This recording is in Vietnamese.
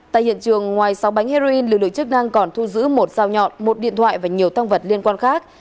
tại hiện trường ngoài sáu bánh heroin lực lượng chức năng còn thu giữ một dao nhọn một điện thoại và nhiều tăng vật liên quan khác